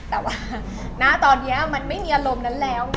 แต่ว่าณตอนนี้มันไม่มีอารมณ์นั้นแล้วไง